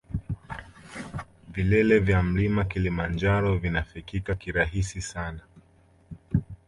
Vilele vya mlima kilimanjaro vinafikika kirahisi sana